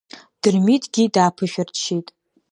Дырмитгьы дааԥышәырччеит.